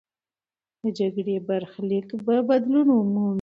د جګړې برخلیک به بدلون مومي.